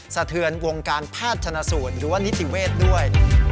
สะเทือนวงการภาชนสูรหรือว่านิติเวชด้วย